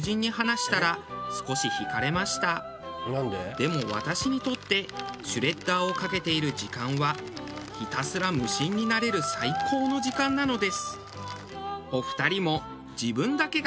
でも私にとってシュレッダーをかけている時間はひたすら無心になれる最高の時間なのです。